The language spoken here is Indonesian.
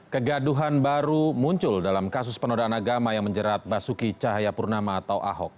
kegaduhan baru muncul dalam kasus penodaan agama yang menjerat basuki cahayapurnama atau ahok